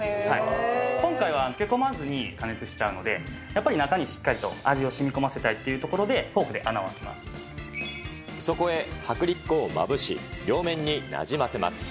今回はつけ込まずに加熱しちゃうので、やっぱり中に味をしみこませたいというところでフォークで穴を開そこへ薄力粉をまぶし、両面になじませます。